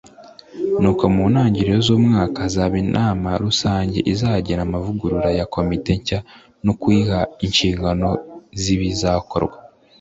Nuko mu ntangiriro z’ umwaka hazaba inama rusange izagena amavugurura ya komite nshya no kuyiha inshingano zibizakorwa.